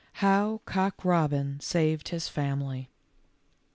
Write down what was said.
HOW COCK ROBIN SAVED HIS FAMILY.